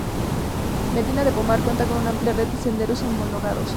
Medina de Pomar cuenta con una amplia red de senderos homologados.